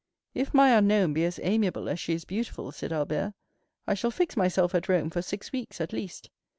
"If my unknown be as amiable as she is beautiful," said Albert, "I shall fix myself at Rome for six weeks, at least.